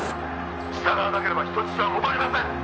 「従わなければ人質は戻りません！」